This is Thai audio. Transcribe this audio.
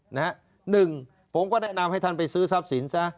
หนึ่งผมก็แนะนำให้ท่านไปซื้อทรัพย์สินซะ